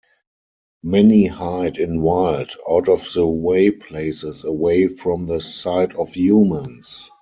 Many hide in wild, out-of-the-way places away from the sight of humans.